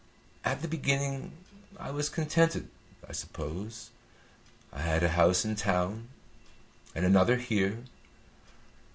At the beginning I was contented, I suppose. I had a house in town and another here.